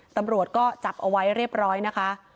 ตำรวจก็จับเอาไว้เรียบร้อยนะคะ